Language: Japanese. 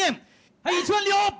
はい１万両！